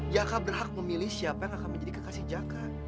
jaka berhak memilih siapa yang akan menjadi kekasih jaka